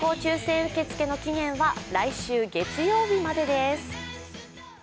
受け付けの期限は来週月曜日までです。